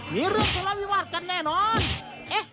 มีเรื่องทะเลาวิวาสกันแน่นอน